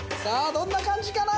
どんな感じかな？